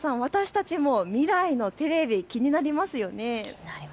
私たちも未来のテレビ気になりますよね。